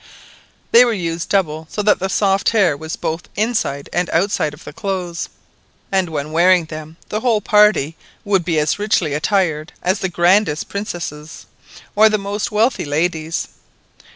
They were used double, so that the soft hair was both inside and outside of the clothes; and when wearing them, the whole party would be as richly attired as the grandest princesses, or the most wealthy ladies.